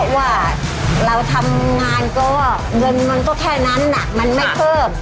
ว่าเราทำงานก็เงินมันก็แค่นั้นมันไม่เพิ่ม